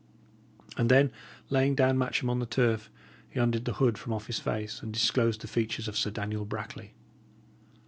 And then laying down Matcham on the turf, he undid the hood from off his face, and disclosed the features of Sir Daniel Brackley.